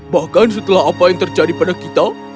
bahkan setelah apa yang terjadi pada kita